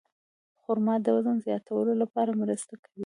خرما د وزن زیاتولو لپاره مرسته کوي.